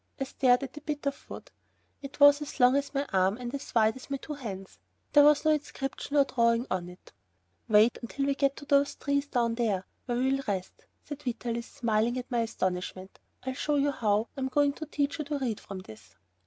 I stared at the bit of wood. It was as long as my arm and as wide as my two hands. There was no inscription or drawing on it. "Wait until we get to those trees down there, where we'll rest," said Vitalis, smiling at my astonishment. "I'll show you how I'm going to teach you to read from this."